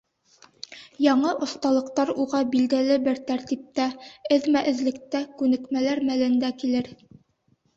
Яңы оҫталыҡтар уға билдәле бер тәртиптә, эҙмә-эҙлектә күнекмәләр мәлендә килер.